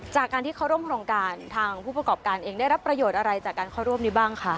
จากการที่เขาร่วมโครงการทางผู้ประกอบการเองได้รับประโยชน์อะไรจากการเข้าร่วมนี้บ้างคะ